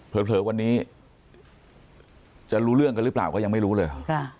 เผลอวันนี้จะรู้เรื่องกันหรือเปล่าก็ยังไม่รู้เลย